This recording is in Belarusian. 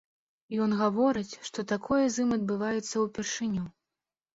Ён гаворыць, што такое з ім адбываецца ўпершыню.